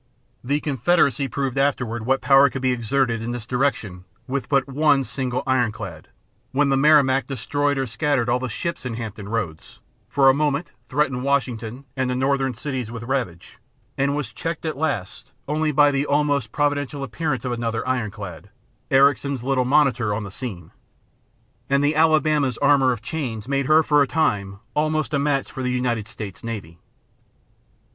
The Confederacy proved afterward what power could be exerted in this direction with but one single ironclad, when the Merrimac destroyed or scattered all the ships in Hampton Roads, for a moment threatened Washington and the Northern cities with ravage, and was checked at last only by the almost providential appearance of another ironclad, Ericsson's little Monitor, on the scene. And the Alabama's armor of chains made her for a time almost a match for the United States navy.